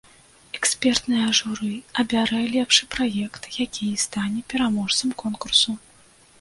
Экспертнае журы абярэ лепшы праект, які і стане пераможцам конкурсу.